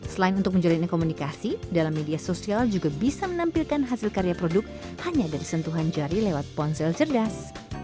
selain untuk menjalin komunikasi dalam media sosial juga bisa menampilkan hasil karya produk hanya dari sentuhan jari lewat ponsel cerdas